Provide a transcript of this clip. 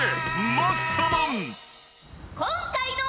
マッサマン］